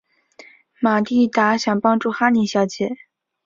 玛蒂达想帮助哈妮小姐。